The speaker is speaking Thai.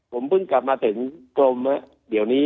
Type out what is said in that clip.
ผมเพิ่งกลับมาถึงกรมเดี๋ยวนี้